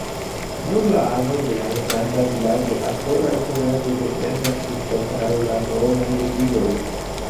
Nur la anoj de malgranda vilaĝo ankoraŭ kuraĝe defendas sin kontraŭ la romaj legioj.